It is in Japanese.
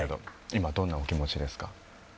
今、どんなお気持ちですか。